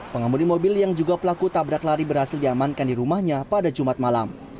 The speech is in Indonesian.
pengemudi mobil yang juga pelaku tabrak lari berhasil diamankan di rumahnya pada jumat malam